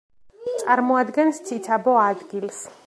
წარმოადგენს ციცაბო ადგილს.